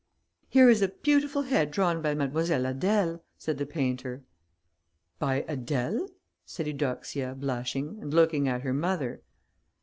"Here is a beautiful head drawn by Mademoiselle Adèle!" said the painter. "By Adèle?" said Eudoxia, blushing, and looking at her mother.